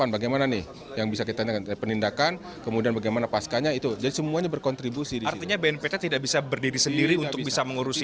bapak komjen paul soehardi alius